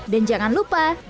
dan jangan lupa